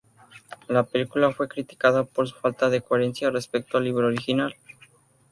La película fue criticada por su falta de coherencia respecto al libro original.